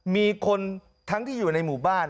มีคนทั้งที่อยู่ในหมู่บ้าน